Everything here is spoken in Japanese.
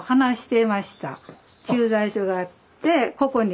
駐在所があってここに。